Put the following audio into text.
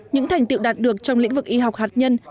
những thành tiệu đạt được trong lĩnh vực y học hạt nhân